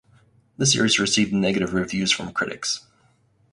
The series received negative reviews from critics.